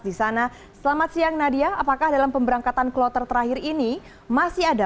di sana selamat siang nadia apakah dalam pemberangkatan kloter terakhir ini masih ada